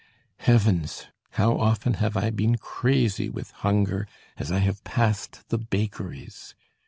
Heavens! how often have I been crazy with hunger as I have passed the bakeries!